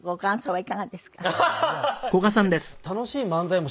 はい。